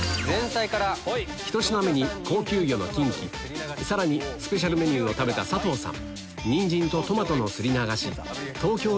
１品目に高級魚のきんきさらにスペシャルメニューを食べた佐藤さん